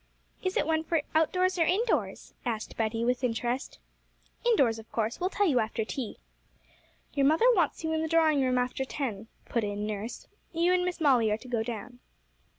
'Is it one for outdoors or indoors?' asked Betty with interest. 'Indoors, of course; we'll tell you after tea.' 'Your mother wants you in the drawing room after ten,' put in nurse; 'you and Miss Molly are to go down.'